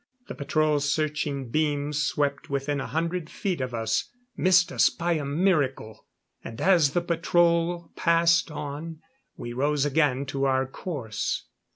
The patrol's searching beams swept within a hundred feet of us missed us by a miracle. And as the patrol passed on, we rose again to our course.